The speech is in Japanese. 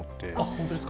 本当ですか？